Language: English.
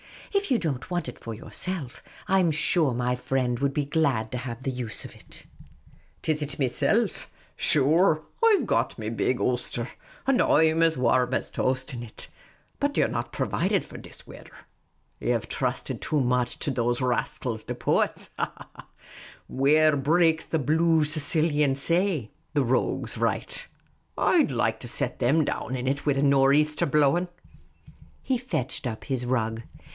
If you don't want it for yourself, I 'm sure my triend would be glad to have the use of it." " Is it meself ? Sure, I 've got me big ulsther, and I 'm as warrum as a toast in it. But ye 're not provided for this weather. Ye 've thrusted too much to those rascals the po uts. ' Where breaks the blue Sicilian say,' the rogues write. I'd like to set them down in it, wid a nor' easter blowing !" He fetched up his rug.